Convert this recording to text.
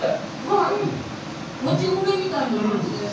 はいもち米みたいな感じです。